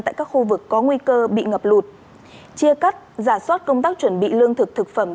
tại các khu vực có nguy cơ bị ngập lụt chia cắt giả soát công tác chuẩn bị lương thực thực phẩm